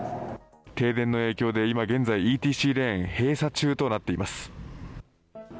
停電の影響で今現在ＥＴＣレーンが閉鎖中となっています。